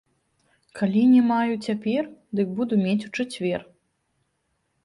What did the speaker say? Калі не маю цяпер, дык буду мець у чацвер.